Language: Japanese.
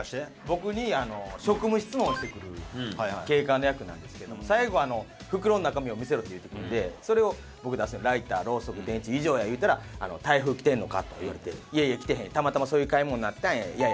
僕に職務質問をしてくる警官の役なんですけど最後「袋の中身を見せろ」って言ってくるんでそれを僕出して「ライターろうそく電池以上や」言うたら「台風来てんのか？」と言われて「いやいや来てへん。たまたまそういう買い物になったんや」